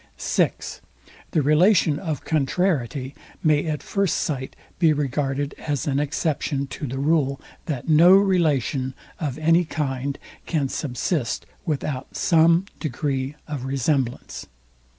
(6) The relation of CONTRARIETY may at first sight be regarded as an exception to the rule, THAT NO RELATION OF ANY KIND CAN SUBSIST WITHOUT SOME DEGREE OF RESEMBLANCE.